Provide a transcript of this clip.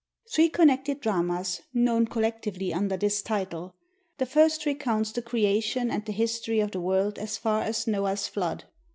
_ Three connected dramas, known collectively under this title. The first recounts the Creation and the history of the world as far as Noah's Flood.